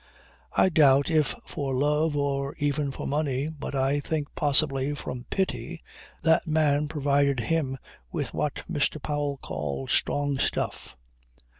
I doubt if for love or even for money, but I think possibly, from pity that man provided him with what Mr. Powell called "strong stuff."